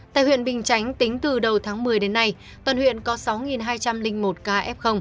tại huyện bình chánh tính từ đầu tháng một mươi đến nay toàn huyện có sáu hai trăm linh một ca f